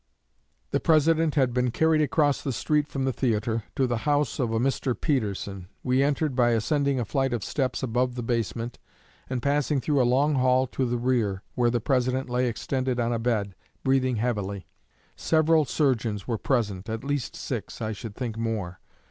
... The President had been carried across the street from the theatre, to the house of a Mr. Peterson. We entered by ascending a flight of steps above the basement and passing through a long hall to the rear, where the President lay extended on a bed, breathing heavily. Several surgeons were present, at least six, I should think more.